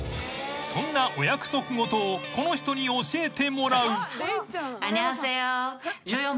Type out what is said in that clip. ［そんなお約束事をこの人に教えてもらう］